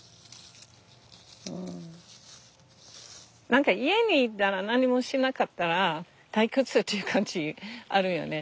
何か家にいたら何もしなかったら退屈という感じあるんよね。